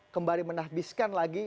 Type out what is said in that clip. kembali menahbiskan lagi